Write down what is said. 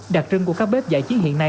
đặc trưng của các bếp giải trí hiện nay